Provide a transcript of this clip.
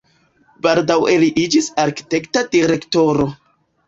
Baldaŭe li iĝis arkitekta direktoro.